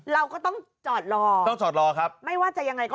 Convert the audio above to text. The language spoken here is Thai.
เราก็ต้องจอดรอไม่ว่าจะยังไงก็ตาม